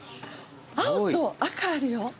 青と赤あるよ。